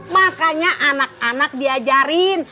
makanya anak anak diajarin